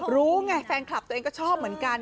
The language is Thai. รู้ไงแฟนคลับตัวเองก็ชอบเหมือนกัน